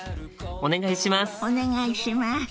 お願いします。